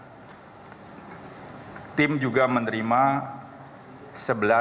hai tim juga menerima sebelas kantong properti ya sebelumnya tim